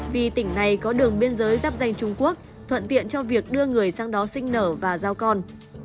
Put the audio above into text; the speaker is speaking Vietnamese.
vì tỉnh này có đường biên giới giáp danh trung quốc thuận tiện cho việc đưa người sang đó sinh nở và giao con